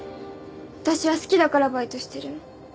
私は好きだからバイトしてるの。